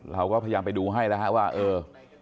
เราก็พยายามไปดูให้แล้วฮะว่าเออ